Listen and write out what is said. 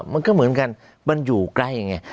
มันก็เหมือนกันมันอยู่ใกล้อย่างนี้